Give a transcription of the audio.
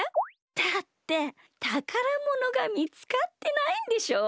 だってたからものがみつかってないんでしょ？